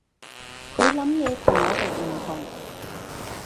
佢諗嘢同我哋唔同